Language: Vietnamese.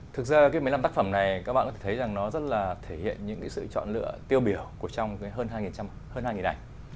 thực ra cái một mươi năm tác phẩm này các bạn có thể thấy rằng nó rất là thể hiện những sự chọn lựa tiêu biểu trong hơn hai ảnh